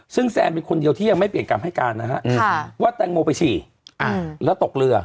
ซึ่งแซนเป็นคนเดียวที่ยังไม่เปลี่ยนคำให้การนะฮะว่าแตงโมไปฉี่แล้วตกเรือ